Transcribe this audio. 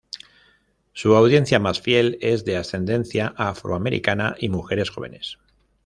Su audiencia más fiel es de ascendencia afro-americana y mujeres jóvenes.